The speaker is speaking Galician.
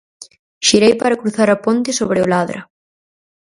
Xirei para cruzar a ponte sobre o Ladra.